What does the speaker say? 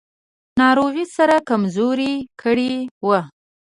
ناروغۍ سره کمزوری کړی و.